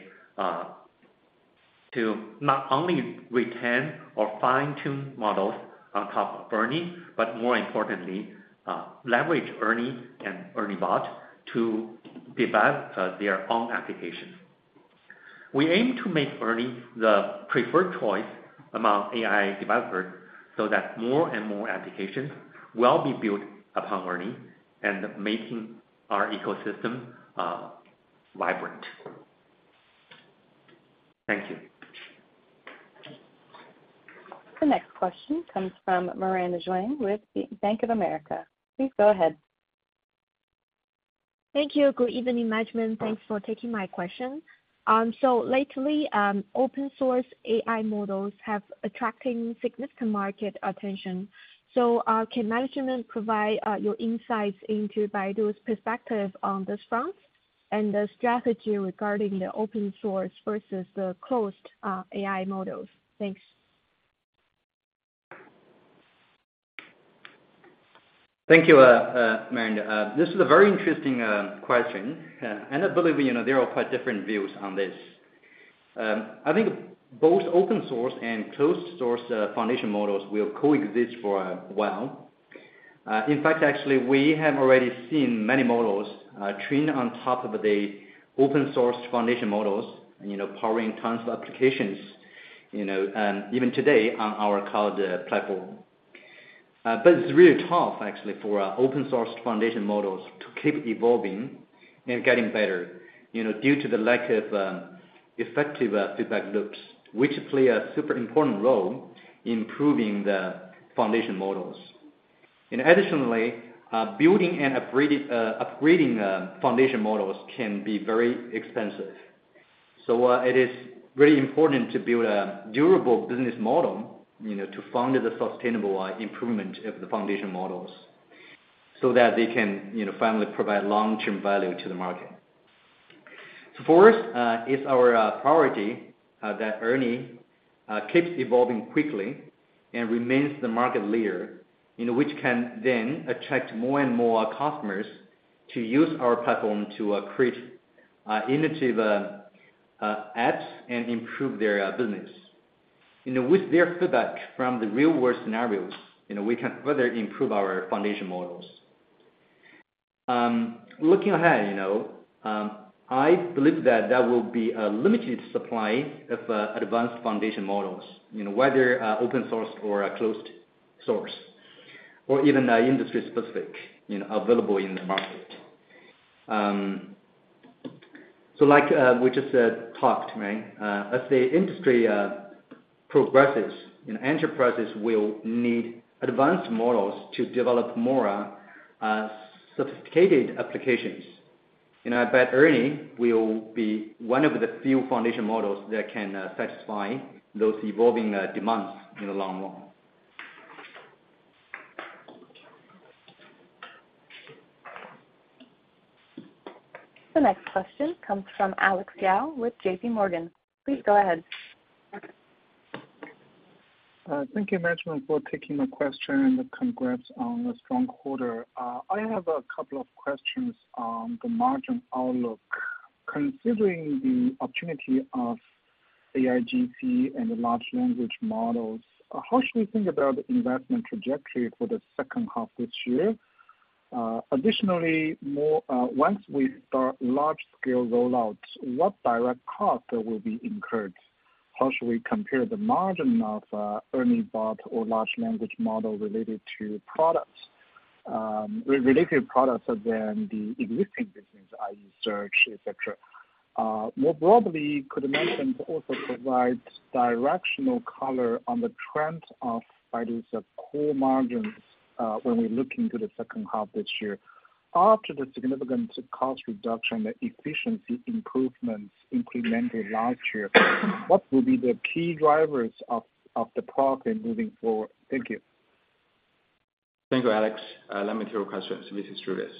to not only retain or fine-tune models on top of ERNIE, but more importantly, leverage ERNIE and ERNIE Bot to develop their own applications. We aim to make ERNIE the preferred choice among AI developers, so that more and more applications will be built upon ERNIE and making our ecosystem vibrant. Thank you. The next question comes from Miranda Zhuang with Bank of America. Please go ahead. Thank you. Good evening, management. Thanks for taking my question. Lately, open source AI models have attracting significant market attention. Can management provide your insights into Baidu's perspective on this front, and the strategy regarding the open source versus the closed AI models? Thanks. Thank you, Miranda. This is a very interesting question. I believe, you know, there are quite different views on this. I think both open source and closed source foundation models will coexist for a while. In fact, actually, we have already seen many models trained on top of the open source foundation models, you know, powering tons of applications, you know, even today on our cloud platform. It's really tough actually, for open source foundation models to keep evolving and getting better, you know, due to the lack of effective feedback loops, which play a super important role in improving the foundation models. Additionally, building and upgrading foundation models can be very expensive. It is very important to build a durable business model, you know, to fund the sustainable improvement of the foundation models, so that they can, you know, finally provide long-term value to the market. For us, it's our priority that ERNIE keeps evolving quickly and remains the market leader, you know, which can then attract more and more customers to use our platform to create innovative apps and improve their business. You know, with their feedback from the real world scenarios, you know, we can further improve our foundation models. Looking ahead, you know, I believe that there will be a limited supply of advanced foundation models, you know, whether open source or closed source, or even industry specific, you know, available in the market. Like, we just said, talked, right? As the industry progresses, you know, enterprises will need advanced models to develop more sophisticated applications, you know? ERNIE will be one of the few foundation models that can satisfy those evolving demands in the long run. The next question comes from Alex Yao with JP Morgan. Please go ahead. Thank you, management, for taking my question. Congrats on the strong quarter. I have a couple of questions on the margin outlook. Considering the opportunity of AIGC and the large language models, how should we think about investment trajectory for the second half this year? Additionally, once we start large-scale roll-outs, what direct costs will be incurred? How should we compare the margin of ERNIE Bot or large language model related to products, related products than the existing business, i.e., search, et cetera? More broadly, could management also provide directional color on the trend of Baidu Core margins when we look into the second half this year? After the significant cost reduction, the efficiency improvements implemented last year, what will be the key drivers of the progress moving forward? Thank you. Thank you, Alex. Let me take your questions, and this is Julius.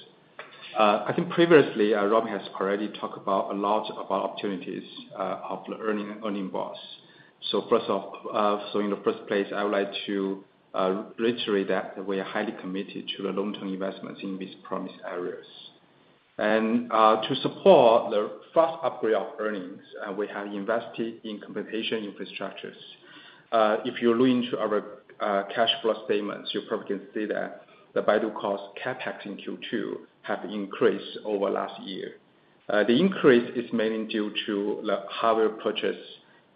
I think previously, Robin has already talked about a lot about opportunities of the ERNIE and ERNIE Bot. First off, in the first place, I would like to reiterate that we are highly committed to the long-term investments in these promised areas. To support the fast upgrade of earnings, we have invested in computation infrastructures. If you look into our cash flow statements, you probably can see that the Baidu cost CapEx in Q2 have increased over last year. The increase is mainly due to the hardware purchase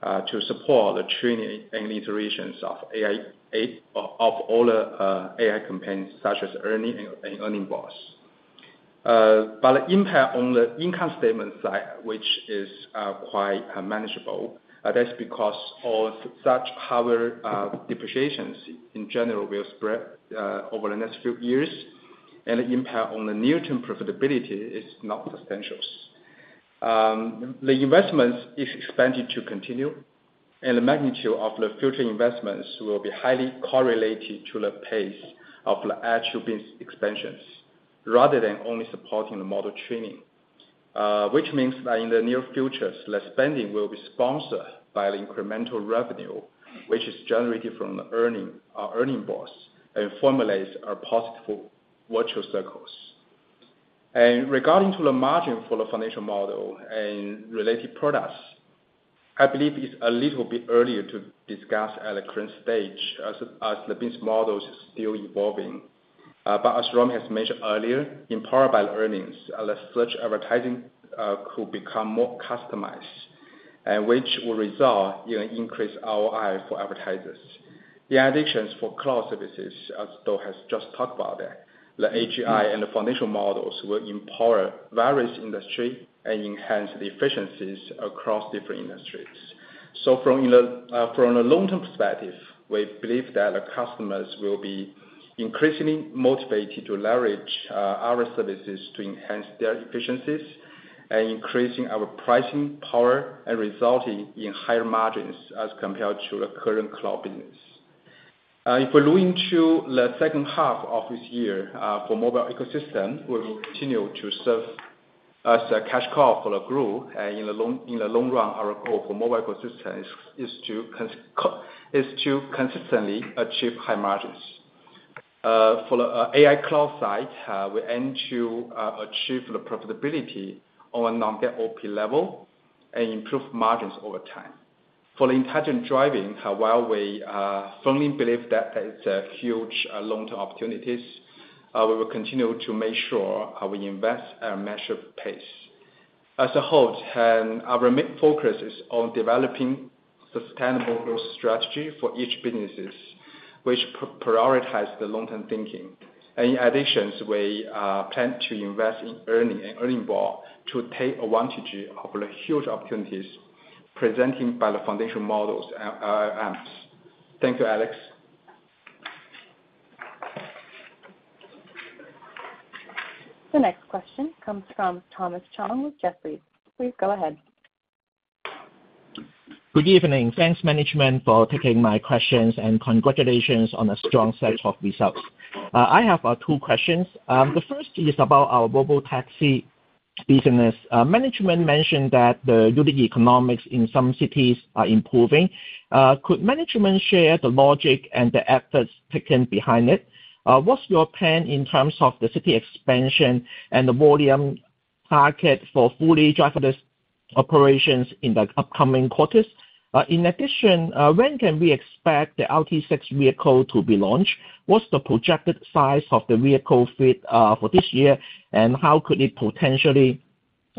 to support the training and iterations of AI, of all the AI campaigns such as ERNIE and ERNIE Bot. The impact on the income statement side, which is quite manageable, that's because of such power depreciations in general will spread over the next few years, and the impact on the near-term profitability is not substantial. The investments is expected to continue, and the magnitude of the future investments will be highly correlated to the pace of the AI business expansions, rather than only supporting the model training.... which means that in the near future, the spending will be sponsored by the incremental revenue, which is generated from the ERNIE, our ERNIE Bot, and formulates our positive virtual circles. Regarding to the margin for the foundation model and related products, I believe it's a little bit earlier to discuss at the current stage, as the business model is still evolving. But as Robin Li has mentioned earlier, empowered by the ERNIE, the search advertising could become more customized, and which will result in an increased ROI for advertisers. The additions for cloud services, as Dou Shen has just talked about it, the AGI and the foundation models will empower various industry and enhance the efficiencies across different industries. From a long-term perspective, we believe that our customers will be increasingly motivated to leverage our services to enhance their efficiencies and increasing our pricing power and resulting in higher margins as compared to the current cloud business. If we look into the second half of this year, for mobile ecosystem, we will continue to serve as a cash cow for the group, and in the long run, our goal for mobile ecosystem is to consistently achieve high margins. For the AI Cloud side, we aim to achieve the profitability on a non-GAAP OP level and improve margins over time. For the Intelligent Driving, while we firmly believe that there is a huge long-term opportunities, we will continue to make sure how we invest at a measured pace. As a whole, our main focus is on developing sustainable growth strategy for each businesses, which prioritize the long-term thinking. In addition, we plan to invest in earning more to take advantage of the huge opportunities presented by the foundation models, apps. Thank you, Alex. The next question comes from Thomas Chong with Jefferies. Please go ahead. Good evening. Thanks, management, for taking my questions, and congratulations on a strong set of results. I have 2 questions. The first is about our robotaxi business. Management mentioned that the unit economics in some cities are improving. Could management share the logic and the efforts taken behind it? What's your plan in terms of the city expansion and the volume target for fully driverless operations in the upcoming quarters? In addition, when can we expect the RT6 vehicle to be launched? What's the projected size of the vehicle fleet for this year, and how could it potentially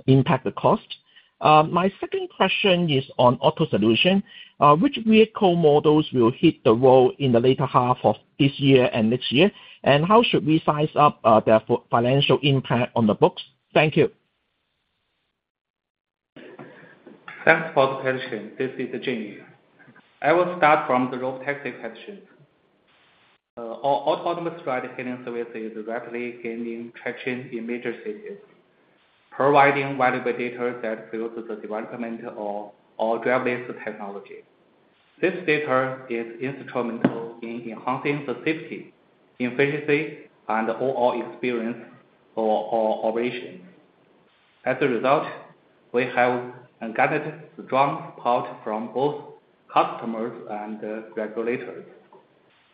impact the cost? My second question is on Auto Solution. Which vehicle models will hit the road in the latter half of this year and next year? How should we size up their financial impact on the books? Thank you. Thanks for the question. This is Jimmy. I will start from the robotaxi question. Our autonomous ride-hailing service is rapidly gaining traction in major cities, providing valuable data that fuels the development of our driverless technology. This data is instrumental in enhancing the safety, efficiency, and the overall experience for our operations. As a result, we have garnered strong support from both customers and regulators,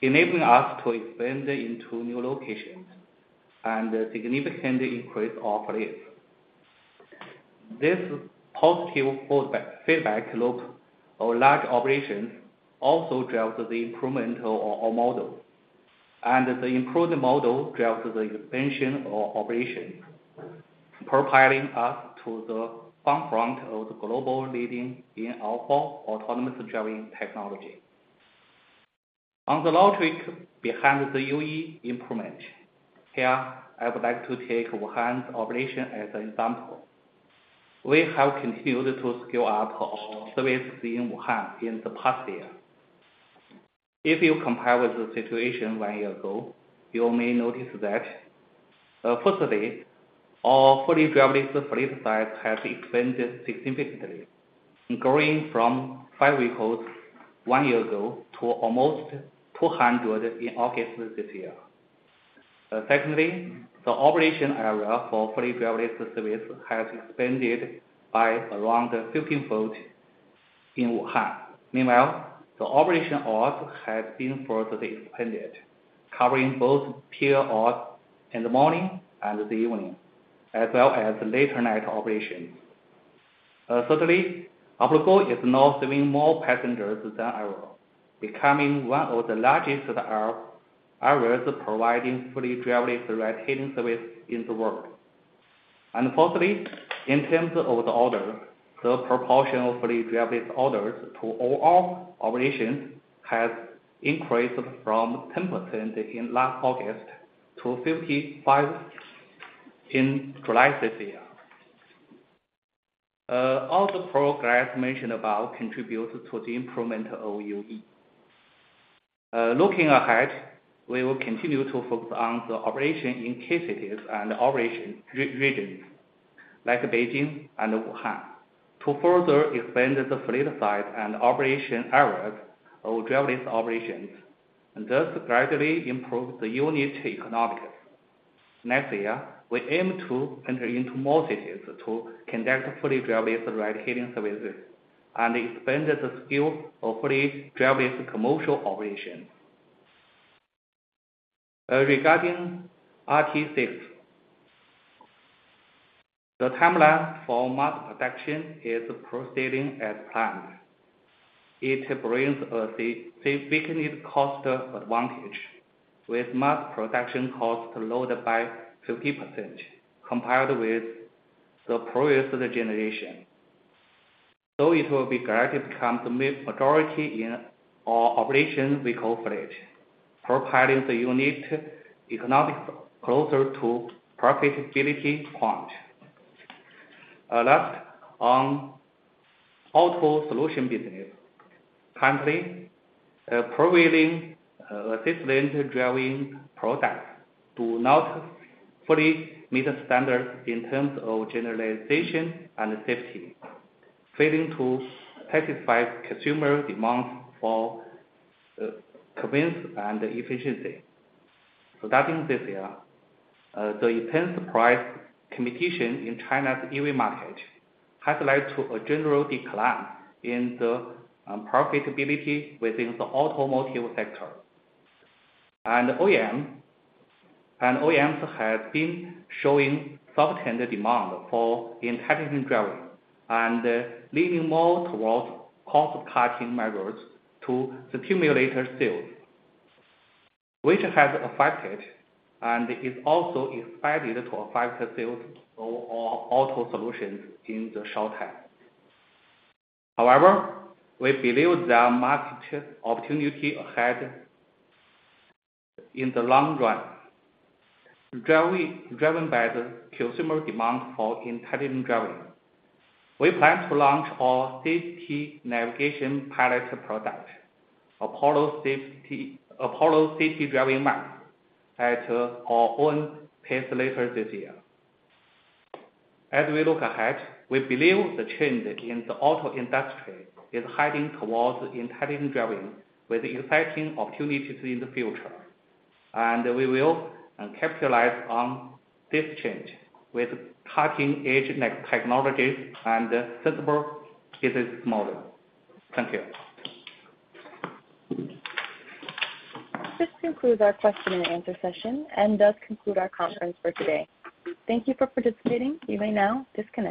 enabling us to expand into new locations and significantly increase our fleet. This positive feedback loop of large operations also drives the improvement of our model, and the improved model drives the expansion of operations, propelling us to the forefront of the global leading in offer autonomous driving technology. On the logic behind the UE improvement, here, I would like to take Wuhan's operation as an example. We have continued to scale up our services in Wuhan in the past year. If you compare with the situation 1 year ago, you may notice that, firstly, our fully driverless fleet size has expanded significantly, growing from 5 vehicles 1 year ago to almost 200 in August this year. Secondly, the operation area for fully driverless service has expanded by around 15-fold in Wuhan. Meanwhile, the operation hours have been further expanded, covering both peak hours in the morning and the evening, as well as later night operations. Thirdly, our goal is now serving more passengers than ever, becoming one of the largest areas providing fully driverless ride-hailing service in the world. Fourthly, in terms of the order, the proportion of fully driverless orders to all our operations has increased from 10% in last August to 55% in July this year. All the progress mentioned above contribute to the improvement of UE. Looking ahead, we will continue to focus on the operation in key cities and operation regions like Beijing and Wuhan. To further expand the fleet size and operation hours of driverless operations, and thus gradually improve the unit economics. Next year, we aim to enter into more cities to conduct fully driverless ride-hailing services and expand the scale of fully driverless commercial operations. Regarding RT6, the timeline for mass production is proceeding as planned. It brings a significant cost advantage, with mass production cost lowered by 50% compared with the previous generation. It will be gradually become the majority in our operations with full fleet, propelling the unit economics closer to profitability point. Last, on auto solution business. Currently, prevailing assistant driving products do not fully meet the standards in terms of generalization and safety, failing to satisfy consumer demand for convenience and efficiency. Starting this year, the intense price competition in China's EV market has led to a general decline in the profitability within the automotive sector. OEMs have been showing softer demand for Intelligent Driving and leaning more towards cost-cutting measures to stimulate sales, which has affected and is also expected to affect sales of our auto solutions in the short term. However, we believe there are market opportunity ahead in the long run, driven by the consumer demand for Intelligent Driving. We plan to launch our city navigation pilot product, Apollo Safety, Apollo City Driving Map, at our own pace later this year. As we look ahead, we believe the change in the auto industry is heading towards Intelligent Driving with exciting opportunities in the future, and we will capitalize on this change with cutting-edge next technologies and sustainable business model. Thank you. This concludes our question and answer session and does conclude our conference for today. Thank you for participating. You may now disconnect.